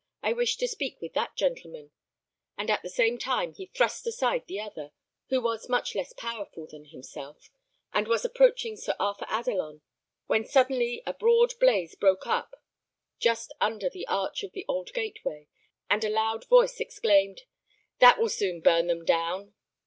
I wish to speak with that gentleman;" and, at the same time, he thrust aside the other, who was much less powerful than himself, and was approaching Sir Arthur Adelon, when suddenly a broad blaze broke up just under the arch of the old gateway, and a loud voice exclaimed, "That will soon burn them down."